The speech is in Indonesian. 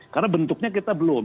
karena bentuknya kita belum